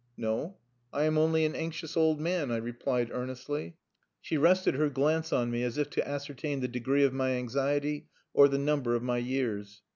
"No. I am only an anxious old man," I replied earnestly. She rested her glance on me as if to ascertain the degree of my anxiety or the number of my years.